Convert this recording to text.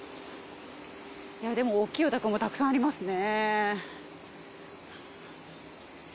でも大きいお宅もたくさんありますね。